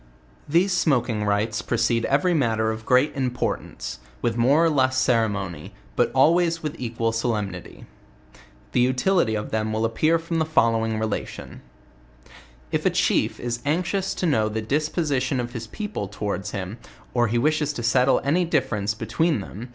These smoking rites precede every matter of great im LEWIS AND CLARKE. 116 portance, witk more or less ceremony, but always with equal solemnity. The utility of 'them will appear from the follow ing relation: If a chief is anxious to know the disposition of his people towards him, or he wishes to settle any difference between them'